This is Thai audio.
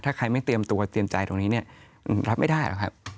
ถ้าใครไม่เตรียมตัวเตรียมใจตรงนี้เนี่ยรับไม่ได้หรอกครับ